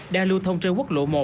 đa lưu thông trên quốc lộ một